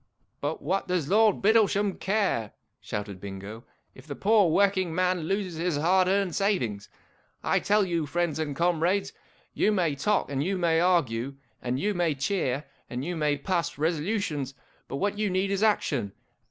" But what does Lord Bittlesham care," shouted Bingo, ' if the poor working man loses his hard earned savings ? I tell you, friends and comrades, you may talk, and you may argue, and you may cheer, and you may pass resolutions, but what you need is Action